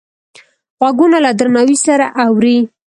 غوږونه له درناوي سره اوري